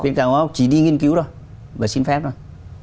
viện khảo cổ học chỉ đi nghiên cứu thôi và xin phép thôi